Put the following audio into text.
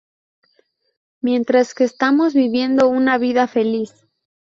Mientras que estamos viviendo una vida feliz.